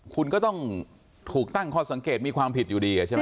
คุณก็ต้องถูกตั้งข้อสังเกตมีความผิดอยู่ดีใช่ไหม